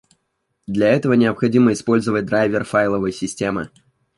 Для этого необходимо использовать драйвер файловой системы